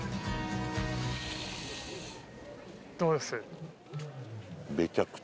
どうです？